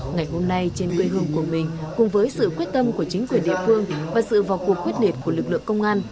ngày hôm nay trên quê hương của mình cùng với sự quyết tâm của chính quyền địa phương và sự vào cuộc quyết liệt của lực lượng công an